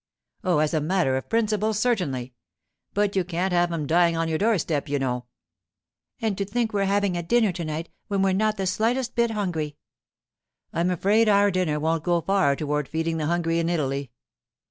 'Oh, as a matter of principle, certainly. But you can't have 'em dying on your door step, you know.' 'And to think we're having a dinner to night, when we're not the slightest bit hungry!' 'I'm afraid our dinner wouldn't go far toward feeding the hungry in Italy.